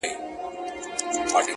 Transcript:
نور به یې شنې پاڼي سمسوري نه وي-